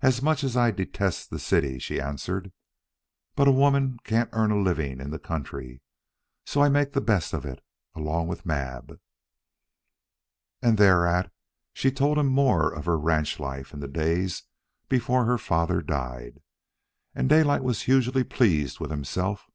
"As much as I detest the city," she answered. "But a woman can't earn a living in the country. So I make the best of it along with Mab." And thereat she told him more of her ranch life in the days before her father died. And Daylight was hugely pleased with himself.